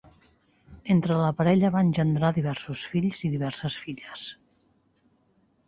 Entre la parella va engendrar diversos fills i diverses filles.